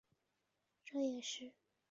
这也是武磊在国家队中的首粒进球。